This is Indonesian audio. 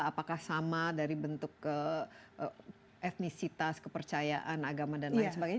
apakah sama dari bentuk etnisitas kepercayaan agama dan lain sebagainya